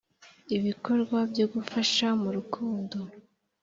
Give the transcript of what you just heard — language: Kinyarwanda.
ibikorwa byo gufasha mu rukundo